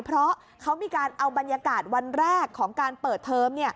เพราะเขามีการเอาบรรยากาศวันแรกของการเปิดเทอม